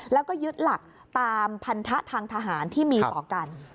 แล้วก็ยึดหลักตามพันธะทางทหารที่มีต่อกัน